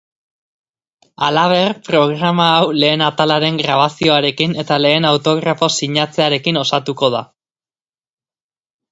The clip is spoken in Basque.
Halaber, programa hau lehen atalaren grabazioarekin eta lehen autografo sinatzearekin osatuko da.